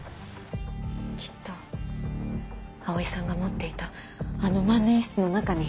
きっと葵さんが持っていたあの万年筆の中に。